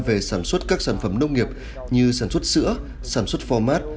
về sản xuất các sản phẩm nông nghiệp như sản xuất sữa sản xuất format